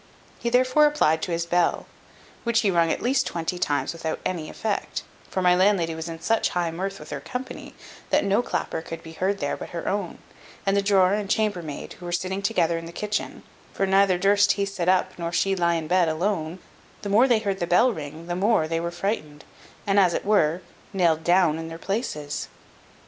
He therefore applied to his bell, which he rung at least twenty times without any effect: for my landlady was in such high mirth with her company, that no clapper could be heard there but her own; and the drawer and chambermaid, who were sitting together in the kitchen (for neither durst he sit up nor she lie in bed alone), the more they heard the bell ring the more they were frightened, and as it were nailed down in their places.